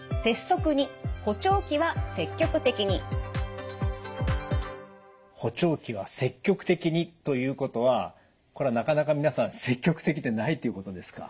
「補聴器は積極的に」ということはこれはなかなか皆さん積極的でないということですか。